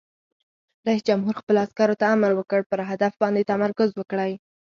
رئیس جمهور خپلو عسکرو ته امر وکړ؛ پر هدف باندې تمرکز وکړئ!